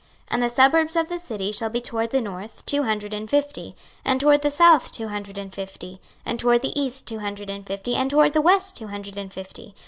26:048:017 And the suburbs of the city shall be toward the north two hundred and fifty, and toward the south two hundred and fifty, and toward the east two hundred and fifty, and toward the west two hundred and fifty.